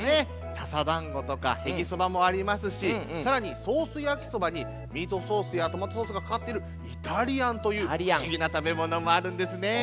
笹だんごとかへぎそばもありますしさらにソースやきそばにミートソースやトマトソースがかかってるイタリアンというふしぎなたべものもあるんですね。